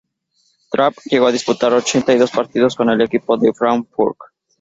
Trapp llego a disputar ochenta y dos partidos con el equipo de Frankfurt.